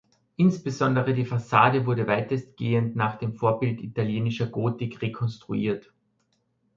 Insbesondere die Fassade wurde weitestgehend nach dem Vorbild italienischer Gotik rekonstruiert.